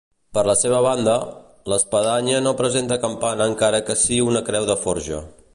Per la seva banda, l'espadanya no presenta campana encara que sí una creu de forja.